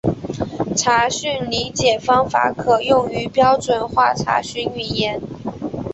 查询理解方法可用于标准化查询语言。